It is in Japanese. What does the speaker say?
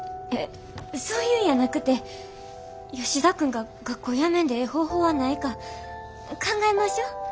そういうんやなくて吉田君が学校やめんでええ方法はないか考えましょ？